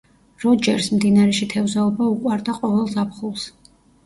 როჯერსს მდინარეში თევზაობა უყვარდა ყოველ ზაფხულს.